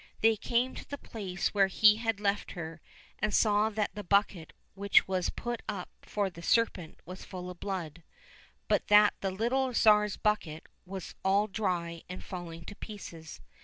They came to the place where he had left her, and saw that the bucket which was put up for the serpent was full of blood, but that the little Tsar's bucket was all dry and falling to pieces.